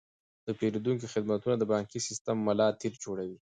د پیرودونکو خدمتونه د بانکي سیستم ملا تیر جوړوي.